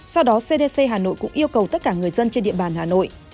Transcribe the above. sau đó cdc hà nội cũng yêu cầu tất cả người dân trên địa bàn hà nội